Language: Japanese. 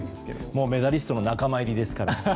もうメダリストの仲間入りですから。